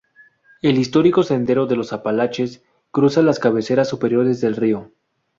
El histórico sendero de los Apalaches cruza las cabeceras superiores del río.